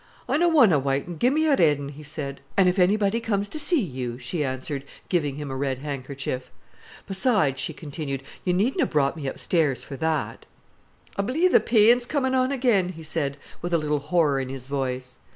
"I non want a white un, gi'e me a red un," he said. "An' if anybody comes to see you," she answered, giving him a red handkerchief. "Besides," she continued, "you needn't ha' brought me upstairs for that." "I b'lieve th' peen's commin' on again," he said, with a little horror in his voice.